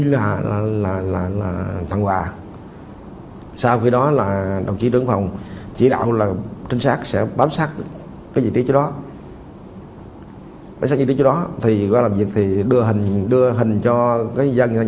đến ngày hai mươi sáu tháng ba năm hai nghìn hai mươi hai tổ công tác công an tỉnh trà vinh phối hợp với công an tỉnh kiên giang